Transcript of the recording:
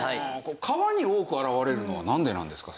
川に多く現れるのはなんでなんですか？